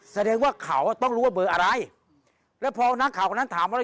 แสดงว่าเขาต้องรู้ว่าเบอร์อะไรแล้วพอนักข่าวคนนั้นถามว่า